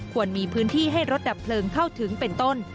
ควรมีพื้นที่ให้รถดับเพลิงเข้าถึงเป็นต้น